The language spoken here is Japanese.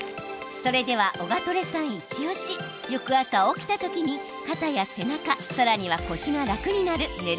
それではオガトレさんイチおし翌朝、起きた時に肩や背中さらには腰が楽になる寝る